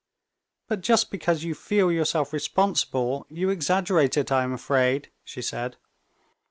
"But just because you feel yourself responsible, you exaggerate it, I am afraid," she said.